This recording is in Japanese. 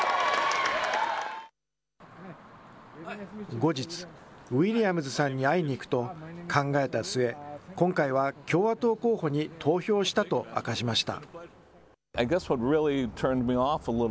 後日、ウィリアムズさんに会いに行くと、考えた末、今回は共和党候補に投票したと明かしました。